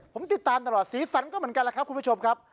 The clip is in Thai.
ผมติดตามตลอดสีสันก็เหมือนกันแหละครับคุณผู้ชมครับ